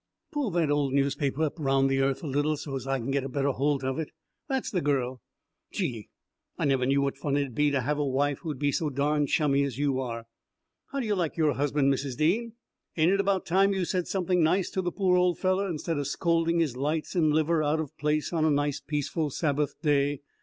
Pull that old newspaper up round the earth a little, so's I can get a better holt of it. That's the girl. Gee, I never knew what fun it'd be to have a wife who'd be so darn chummy as you are. How d'you like your husband, Mrs. Dean? Ain't it about time you said something nice to the poor feller instead of scolding his lights and liver out of place on a nice peaceful Sabbath day?